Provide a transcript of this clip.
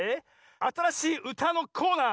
あたらしいうたのコーナー